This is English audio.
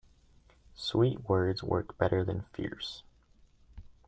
Sweet words work better than fierce.